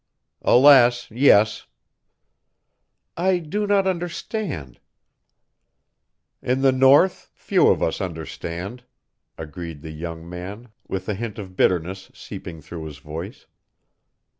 "Alas, yes." "I do not understand " "In the North few of us understand," agreed the young man with a hint of bitterness seeping through his voice.